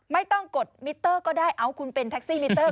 ไม่ต้องกดมิเตอร์ก็ได้เอาคุณเป็นแท็กซี่มิเตอร์